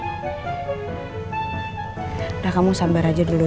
udah kamu sambar aja dulu